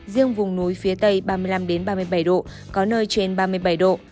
riêng vùng núi phía tây ba mươi năm ba mươi bảy độ có nơi trên ba mươi bảy độ